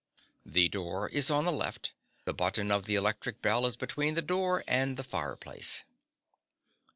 The door is on the left. The button of the electric bell is between the door and the fireplace.